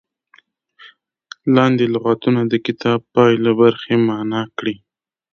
لاندې لغتونه د کتاب د پای له برخې معنا کړي.